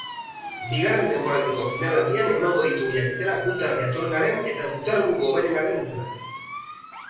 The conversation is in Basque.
Bigarren denboraldiko final handian emango ditugu jakitera gutar jatorrenaren eta gutarburu hoberenaren izenak.